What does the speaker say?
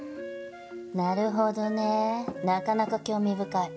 なるほどねなかなか興味深い。